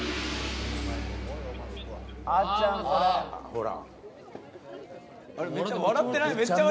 ほら。